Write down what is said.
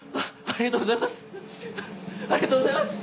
ありがとうございます！